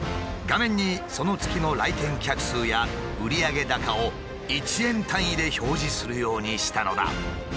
画面にその月の来店客数や売上高を１円単位で表示するようにしたのだ。